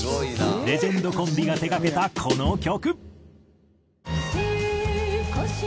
レジェンドコンビが手がけたこの曲。